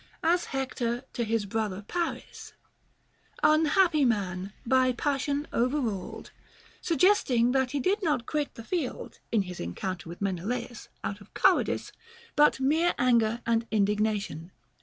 As Hector to his brother Paris, Unhappy man, by passion overruled ; t suggesting that he did not quit the field, in his encounter with Menelaus, out of cowardice, but mere anger and in dignation.